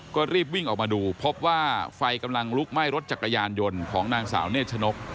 ก็รีบวิ่งออกมาดูพบว่าไฟกำลังลุกไหม้รถจักรยานยนต์ของนางสาวเนชนก